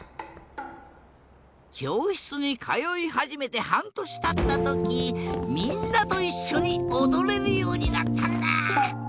きょうしつにかよいはじめてはんとしたったときみんなといっしょにおどれるようになったんだ。